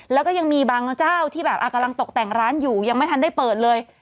แล้วก็ยังมีบางเจ้าที่แบบกำลังตกแต่งร้านอยู่ยังไม่ทันได้เปิดเลย